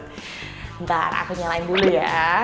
ntar aku nyalain dulu ya